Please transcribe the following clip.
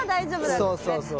そうそうそう。